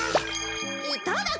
いただき！